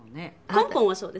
根本はそうです。